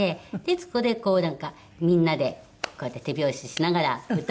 そこでこうなんかみんなでこうやって手拍子しながら歌を歌うみたいな。